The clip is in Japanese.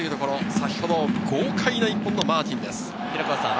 先ほど豪快な１本があったマーティンです。